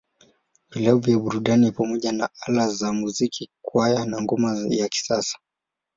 Vilabu vya burudani ni pamoja na Ala za Muziki, Kwaya, na Ngoma ya Kisasa.